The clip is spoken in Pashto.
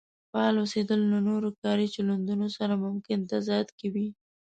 فعال اوسېدل له نورو کاري چلندونو سره ممکن تضاد کې وي.